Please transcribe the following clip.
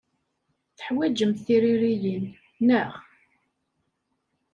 Teḥwajemt tiririyin, naɣ?